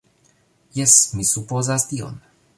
Jes, mi supozas tion